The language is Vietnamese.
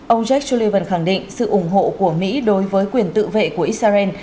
ông jake sullivan khẳng định sự ủng hộ của mỹ đối với quyền tự vệ của israel